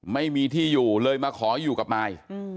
ไม่มีที่อยู่เลยมาขออยู่กับมาย